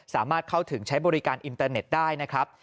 สามารถเข้าถึงใช้บริการอินเตอร์เน็ตได้นะครับ